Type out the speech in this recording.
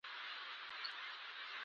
په خوست کې سباته د باران اټکل دى.